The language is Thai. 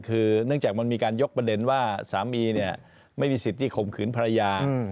คือเนื่องจากมันมีการยกประเด็นว่าสามีไม่มีสิทธิ์ที่ข่มขืนภรรยา